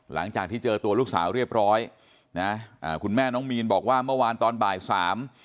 หลังจากที่เจอตัวลูกสาวเรียบร้อยนะอ่าคุณแม่น้องมีนบอกว่าเมื่อวานตอนบ่ายสาม